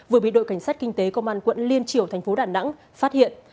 vừa bị đội cảnh sát kinh tế công an quận liên triều thành phố đà nẵng phát hiện